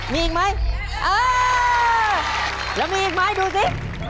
มีอีกไหมเออแล้วมีอีกไหมดูสิ